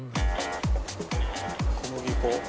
小麦粉。